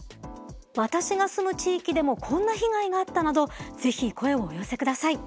私が住む地域でもこんな被害があったなど是非声をお寄せください。